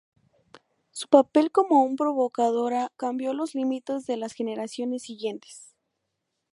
Su papel como un provocadora cambió los límites de las generaciones siguientes.